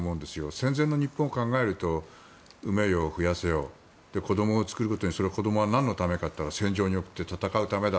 戦前の日本を考えると産めよ増やせよ子供を作ることが何のためかと言ったら戦場に送って、戦うためだ。